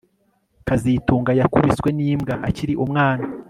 kazitunga yakubiswe nimbwa akiri umwana